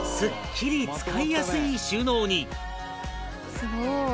「すごい！」